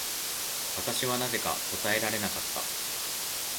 私はなぜか答えられなかった。